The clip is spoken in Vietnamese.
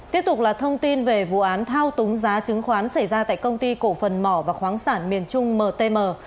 tiếp tục là thông tin về vụ án thao túng giá chứng khoán xảy ra tại công ty cổ phần mỏ và khoáng sản miền trung mtm